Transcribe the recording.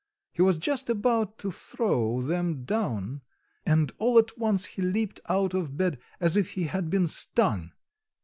He was just about to throw them down and all at once he leaped out of bed as if he had been stung.